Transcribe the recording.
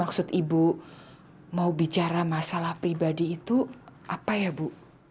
maksud ibu mau bicara masalah pribadi itu apa ya bu